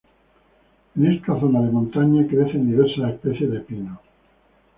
En esta zona de montaña, crecen diversas especies de pinos.